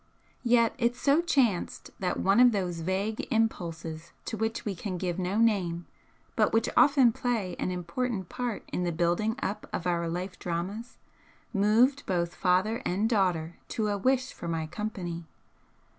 Yet it so chanced that one of those vague impulses to which we can give no name, but which often play an important part in the building up of our life dramas, moved both father and daughter to a wish for my company.